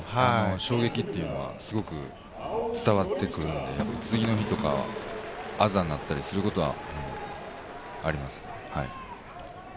衝撃というのはすごく伝わってくるんで、次の日とか、あざになったりすることはあります。